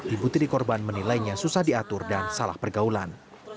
ibu tiri korban menilainya susah diatur dan salah pergaulan